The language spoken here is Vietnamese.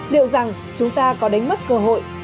liệu rằng chúng ta có đánh mất cơ hội